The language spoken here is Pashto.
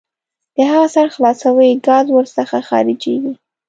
د هغه سر خلاصوئ ګاز ور څخه خارجیږي.